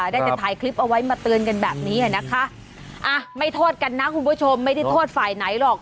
ได้แต่ถ่ายคลิปเอาไว้มาเตือนกันแบบนี้นะคะอ่ะไม่โทษกันนะคุณผู้ชมไม่ได้โทษฝ่ายไหนหรอก